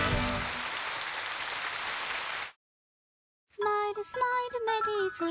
「スマイルスマイルメリーズ」